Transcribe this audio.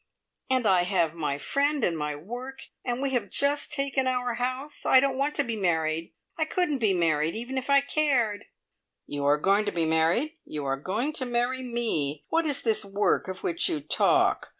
And I have my friend and my work and we have just taken our house. I don't want to be married! I couldn't be married even if I cared!" "You are going to be married. You are going to marry me! What is this `work' of which you talk?